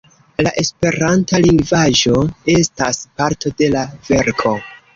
La esperanta lingvaĵo estas parto de la verko.